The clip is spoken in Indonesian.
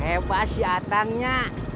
hebat si atangnya